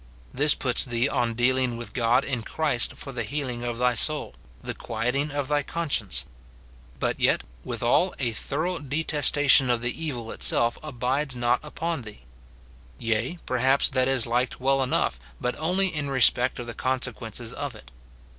"* This puts thee on deal ing with God in Christ for the healing of thy soul, the quieting of thy conscience ; but yet, withal, a thorough detestation of the evil itself abides not upon thee ; yea, perhaps that is liked well enough, but only in respect of the consequences of it.